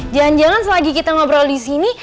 jangan jangan selagi kita ngobrol disini